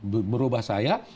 betul merubah saya